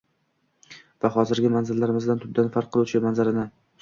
va hozirgi manzaramizdan tubdan farq qiluvchi manzarani